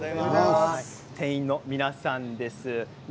店員の皆さんです。